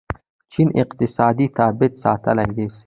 چین اقتصادي ثبات ساتلی دی.